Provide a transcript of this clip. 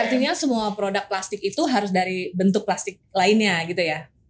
artinya semua produk plastik itu harus dari bentuk plastik lainnya gitu ya